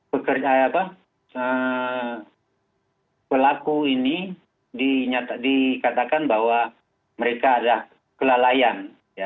pelaku ini dikatakan bahwa mereka ada kelalaian